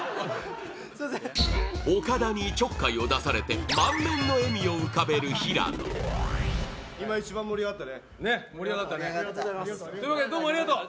岡田にちょっかいを出されて満面の笑みを浮かべる平野井ノ原：ということでどうもありがとう！